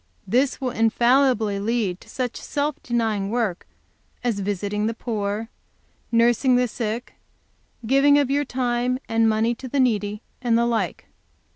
This will infallibly lead to such self denying work as visiting the poor, nursing the sick, giving of your time and money to the needy, and the like.